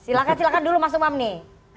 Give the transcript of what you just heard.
silahkan silahkan dulu mas umam nih